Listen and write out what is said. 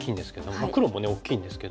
まあ黒もね大きいんですけども。